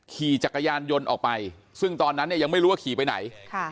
ขี่จักรยานยนต์ออกไปซึ่งตอนนั้นเนี่ยยังไม่รู้ว่าขี่ไปไหน